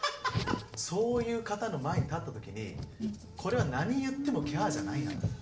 そういう方の前に立った時にこれは何言ってもキャーじゃないなと。